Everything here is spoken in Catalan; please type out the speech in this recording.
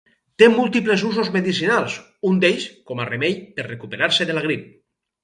Té múltiples usos medicinals, un d'ells com a remei per recuperar-se de la grip.